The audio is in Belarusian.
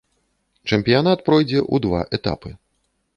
Чэмпіянат пройдзе ў два этапы.